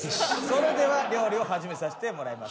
それでは料理を始めさせてもらいます。